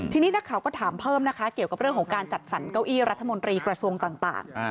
ทีนี้นักข่าวก็ถามเพิ่มนะคะเกี่ยวกับเรื่องของการจัดสรรเก้าอี้รัฐมนตรีกระทรวงต่าง